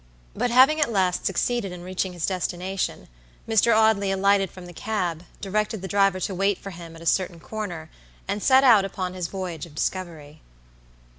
But having at last succeeded in reaching his destination, Mr. Audley alighted from the cab, directed the driver to wait for him at a certain corner, and set out upon his voyage of discovery.